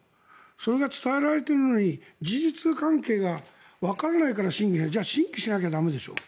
それが伝えられているのに事実関係がわからないから審議じゃあ審議しなきゃ駄目でしょ。